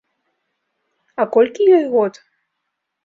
А колькі ёй год?